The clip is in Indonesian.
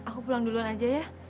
aku pulang duluan aja ya